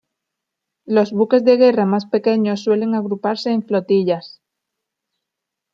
Los buques de guerra más pequeños suelen agruparse en flotillas.